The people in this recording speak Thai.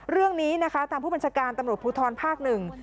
เรื่องนี้นะคะทางผู้บัญชาการตำรวจภูทรภาคหนึ่ง